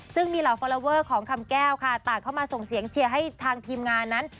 ซึ่งมีเหล่าฟอลลอเวอร์ของคำแก้วค่ะต่างเข้ามาส่งเสียงเชียร์ให้ทางทีมงานนั้น